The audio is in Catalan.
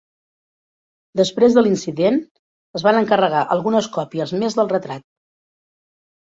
Després de l'incident, es van encarregar algunes còpies més del retrat.